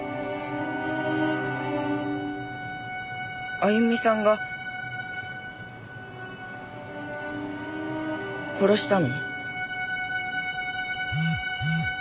あゆみさんが殺したの？